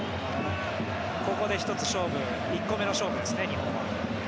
ここで１個目の勝負ですね日本は。